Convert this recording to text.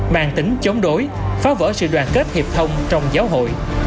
mang tính chống đối phá vỡ sự đoàn kết hiệp thông trong giáo hội